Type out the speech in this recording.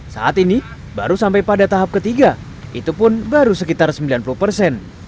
saat ini baru sampai pada tahap ketiga itu pun baru sekitar sembilan puluh persen